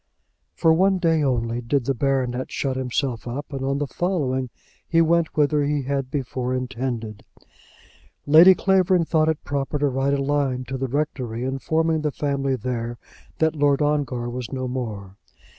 For one day only did the baronet shut himself up, and on the following he went whither he had before intended. Lady Clavering thought it proper to write a line to the rectory, informing the family there that Lord Ongar was no more.